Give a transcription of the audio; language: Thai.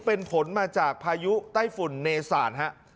เป็นผลมาจากพายุไต้ฝุ่นเนสานฮะ